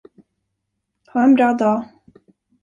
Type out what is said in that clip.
Ha en bra dag.